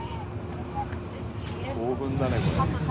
「興奮だねこれ」